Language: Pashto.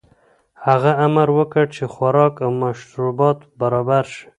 هغه امر وکړ چې خوراک او مشروبات برابر شي.